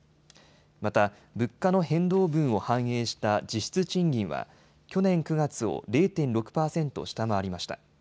また、物価の変動分を反映した実質賃金は去年９月を０．６％下回りました。